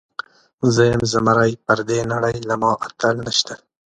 زه یم زمری، پر دې نړۍ له ما اتل نسته.